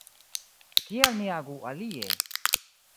Kial ni agu alie?